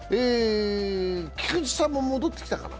菊池さんも戻ってきたかな。